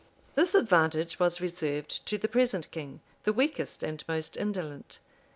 This advantage was reserved to the present king, the weakest and most indolent.